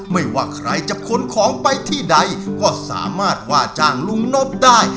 ไม่ว่าใครจะขนของไปที่ใดก็สามารถว่าจ้างลุงนบได้